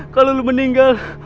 kalau lu meninggal